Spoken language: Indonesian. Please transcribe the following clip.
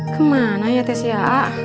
kemana ya tes ya